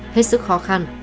hết sức khó khăn